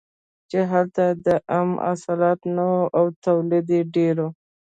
چې هلته د عم حاصلات نه وو او تولید یې ډېر و.